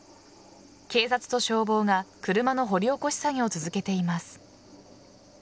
警察と消防が、車の掘り起こし作業を続けています。